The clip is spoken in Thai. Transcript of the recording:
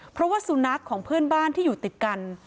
เพราะว่าสุนัขของเพื่อนบ้านที่อยู่ติดกัน